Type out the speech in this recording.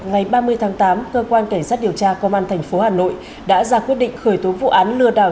ngày ba mươi tháng tám cơ quan cảnh sát điều tra công an tp hà nội đã ra quyết định khởi tố vụ án lừa đảo